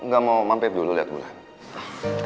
gak mau mampir dulu liat ulan